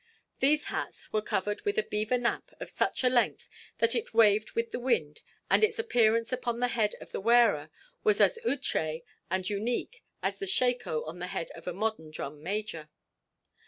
These hats were covered with a beaver nap of such a length that it waved with the wind, and its appearance upon the head of the wearer was as outre and unique as the "shako" on the head of a modern drum major.